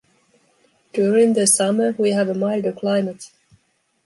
During the summer we have a milder climate.